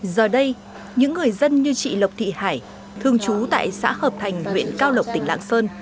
giờ đây những người dân như chị lộc thị hải thường trú tại xã hợp thành huyện cao lộc tỉnh lạng sơn